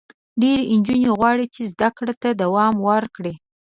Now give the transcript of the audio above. ډېری نجونې غواړي چې زده کړو ته دوام ورکړي.